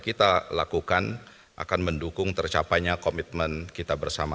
kita lakukan akan mendukung tercapainya komitmen kita bersama